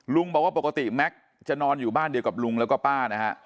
ลุงบอกว่าปกติแม็กซ์จะนอนอยู่บ้านเดียวกับลุงแล้วก็ป้านะฮะ